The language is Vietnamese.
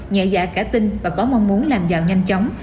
nhẹ dạ cả tin và có mong muốn làm giàu nhanh chóng